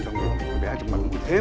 xong rồi bị ai trong mặt cũng bị thêm rồi